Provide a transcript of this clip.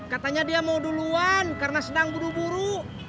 katanya dia mau duluan karena sedang buru buru